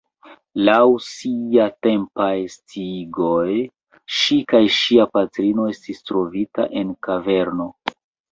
Laŭ siatempaj sciigoj, ŝi kaj ŝia patrino estis trovita en kaverno.